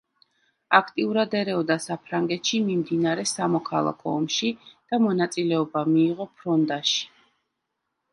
აქტიურად ერეოდა საფრანგეთში მიმდინარე სამოქალაქო ომში და მონაწილეობა მიიღო ფრონდაში.